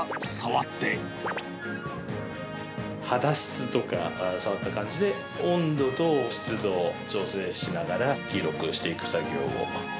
肌質とか、触った感じで、温度と湿度を調整しながら、黄色くしていく作業を。